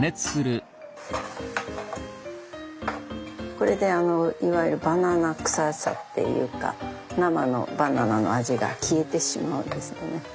これであのいわゆるバナナ臭さっていうか生のバナナの味が消えてしまうんですよね。